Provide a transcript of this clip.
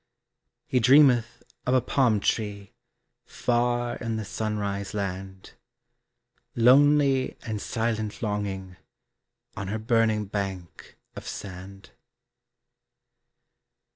He dreameth of a palm tree Far in the sunrise land, Lonely and silent longing On her burning bank of sand.